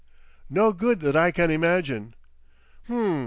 "No good that I can imagine."